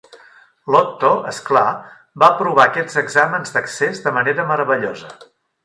L'Otto, és clar, va aprovar aquests exàmens d'accés de manera meravellosa.